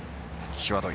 際どい。